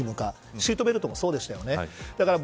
シートベルトもそうですね。